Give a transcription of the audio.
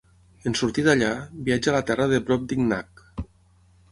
En sortir d'allà, viatja a la terra de Brobdingnag.